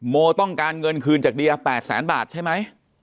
โมต้องการเงินคืนจากเดีย๘แสนบาทใช่ไหม